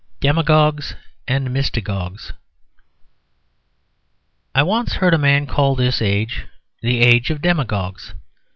DEMAGOGUES AND MYSTAGOGUES I once heard a man call this age the age of demagogues.